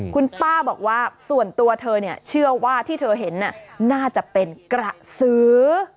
คุณป้าบอกว่าส่วนตัวเธอเชื่อว่าที่เธอเห็นน่าจะเป็นกระสือ